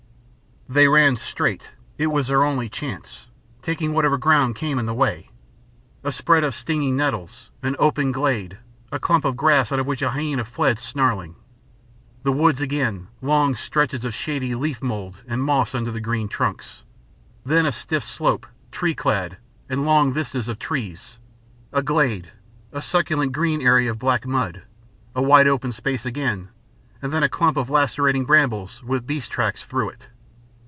They ran straight it was their only chance taking whatever ground came in the way a spread of stinging nettles, an open glade, a clump of grass out of which a hyæna fled snarling. Then woods again, long stretches of shady leaf mould and moss under the green trunks. Then a stiff slope, tree clad, and long vistas of trees, a glade, a succulent green area of black mud, a wide open space again, and then a clump of lacerating brambles, with beast tracks through it.